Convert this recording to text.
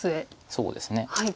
そうですね。